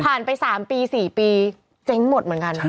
และผ่านไป๓๔ปีเจ๊งหมดเหมือนกัน